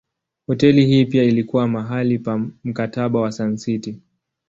Hoteli hii pia ilikuwa mahali pa Mkataba wa Sun City.